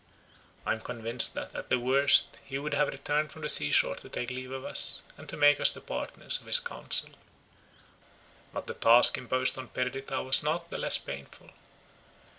I am convinced that, at the worst, he would have returned from the seashore to take leave of us, and to make us the partners of his council. But the task imposed on Perdita was not the less painful.